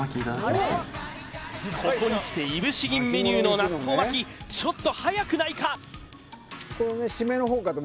ここにきていぶし銀メニューの納豆巻きちょっと早くないか？